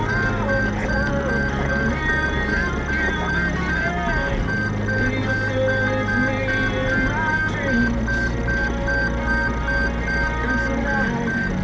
สวัสดีครับที่ได้รับความรักของคุณ